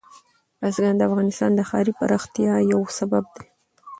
بزګان د افغانستان د ښاري پراختیا یو سبب دی.